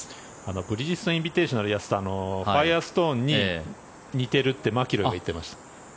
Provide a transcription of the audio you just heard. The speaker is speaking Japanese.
ブリヂストンインビテーショナルをやっていたファイアストーンに似ているってマキロイが言っていました。